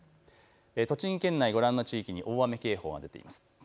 栃木県内ご覧の地域に大雨警報が出ています。